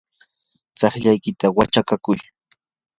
tsiqllaykita wachakakuy.